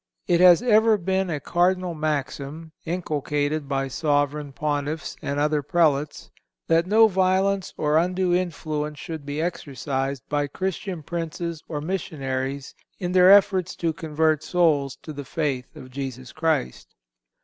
It has ever been a cardinal maxim, inculcated by sovereign Pontiffs and other Prelates, that no violence or undue influence should be exercised by Christian princes or missionaries in their efforts to convert souls to the faith of Jesus Christ.